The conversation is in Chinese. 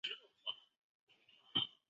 孔布莱萨克。